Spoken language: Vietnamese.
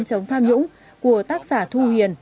chống tham nhũng của tác giả thu hiền